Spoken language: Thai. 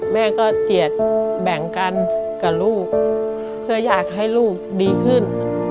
แม่ก็เจียดแบ่งกันกับลูกเพื่ออยากให้ลูกดีขึ้น